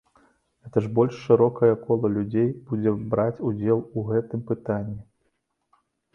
Гэта ж больш шырокае кола людзей будзе браць удзел у гэтым пытанні.